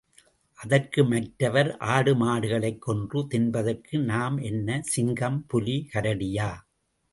அதற்கு மற்றவர், ஆடுமாடுகளைக் கொன்று தின்பதற்கு நாம் என்ன சிங்கம் புலி கரடியா?